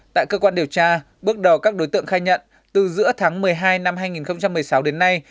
tại cơ quan điều tra bước đầu các đối tượng khai nhận từ giữa tháng một mươi hai năm hai nghìn một mươi sáu đến nay